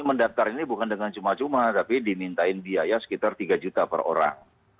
mendaftar ini bukan dengan cuma cuma tapi dimintain biaya sekitar tiga juta per orang